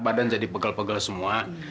badan jadi pegel pegel semua